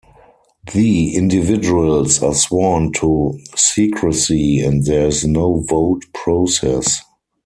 The individuals are sworn to secrecy and there is no vote process.